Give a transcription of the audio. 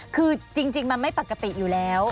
คือจริงมันไม่ปกติอยู่แล้ว